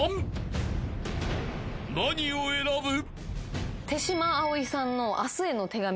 ［何を選ぶ？］